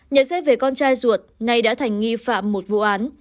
nhận xét về con trai ruột nay đã thành nghi phạm một vụ án